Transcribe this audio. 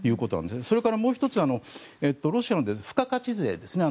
それからもう１つはロシアの付加価値税ですね。